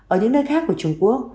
ở những nơi khác của trung quốc